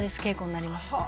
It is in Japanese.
稽古になります